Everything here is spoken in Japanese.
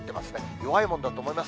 弱いものだと思います。